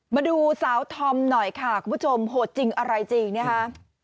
มาดูสาวธอมหน่อยค่ะคุณผู้ชมโหดจริงอะไรจริงนะคะ